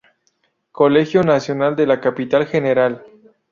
Colegio Nacional de la Capital Gral.